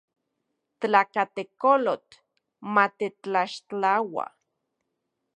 Tlakatekolotl matetlaxtlaua.